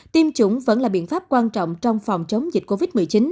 tiêm chủng vẫn là biện pháp quan trọng trong phòng chống dịch covid một mươi chín